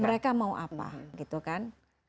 mereka mau apa gitu kan